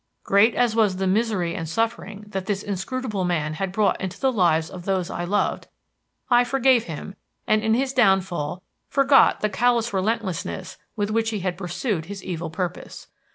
Great as was the misery and suffering that this inscrutable man had brought into the lives of those I loved, I forgave him; and in his downfall forgot the callous relentlessness with which he had pursued his evil purpose.